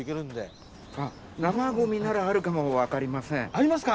ありますか！？